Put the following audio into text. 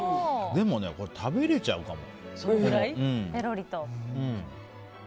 これ、食べられちゃうかも。